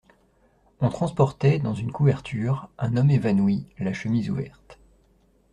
On transportait, dans une couverture, un homme évanoui, la chemise ouverte.